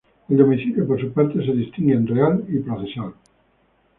El domicilio por su parte se distingue en real y procesal.